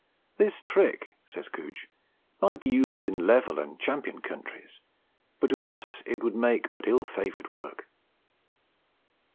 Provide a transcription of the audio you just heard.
This tricke," says Googe, "might be used in levell and champion countreys; but with us it wolde make but ill favoured woorke."